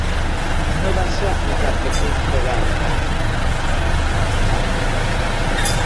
No va ser acusat de crims de guerra.